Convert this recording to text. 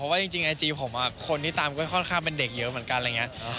ว่าจริงไอจีผมคนที่ตามก็ค่อนข้างเป็นเด็กเยอะเหมือนกันอะไรอย่างนี้